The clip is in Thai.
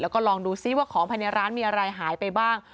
แล้วก็ลองดูซิว่าของภายในร้านมีอะไรหายไปบ้าง